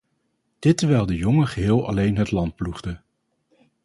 Dit terwijl de jongen geheel alleen het land ploegde.